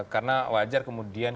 karena wajar kemudian